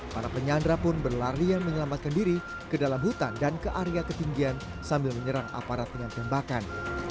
para penyandra pun berlarian menyelamatkan diri ke dalam hutan dan ke area ketinggian sambil menyerang aparat dengan tembakan